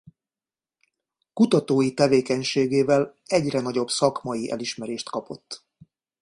Kutatói tevékenységével egyre nagyobb szakmai elismerést kapott.